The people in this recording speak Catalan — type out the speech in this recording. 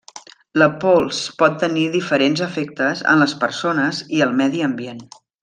La pols pot tenir diferents efectes en les persones i el medi ambient.